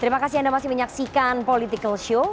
terima kasih anda masih menyaksikan political show